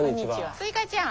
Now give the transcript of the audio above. スイカちゃん。